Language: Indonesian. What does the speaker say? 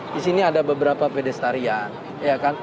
di sini ada beberapa pedestarian